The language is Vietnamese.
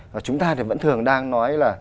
và chúng ta thì vẫn thường đang nói là